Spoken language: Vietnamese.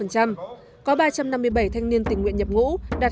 có ba trăm năm mươi bảy thanh niên tỉnh nguyện nhập ngũ đạt hai mươi bảy bốn mươi sáu